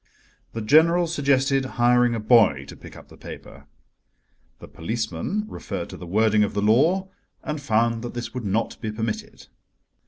The general suggested hiring a boy to pick up the paper. The policeman referred to the wording of the law, and found that this would not be permitted.